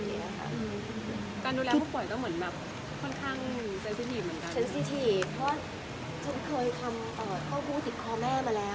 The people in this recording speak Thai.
เศสธีเพราะฉันเคยเขมาตะว่ากล้องดูถิดคอแม่มาแล้วนะคะ